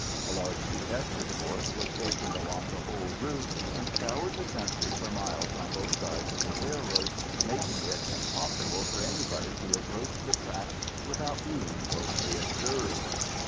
A large detective force was stationed along the whole route, and scoured the country for miles on both sides of the railroad, making it impossible for anybody to approach the track without being closely observed.